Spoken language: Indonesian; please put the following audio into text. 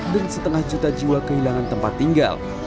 dan setengah juta jiwa kehilangan tempat tinggal